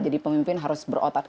jadi pemimpin harus berotak